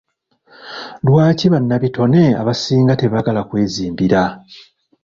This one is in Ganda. Lwaki bannabitone abasinga tebaagala kwezimbira?